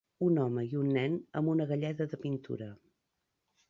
Un home i un nen amb una galleda de pintura.